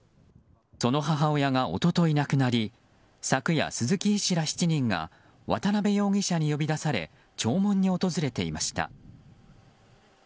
その母親が一昨日亡くなり昨夜、鈴木医師ら７人が渡辺容疑者に呼び出され弔問に訪れていました。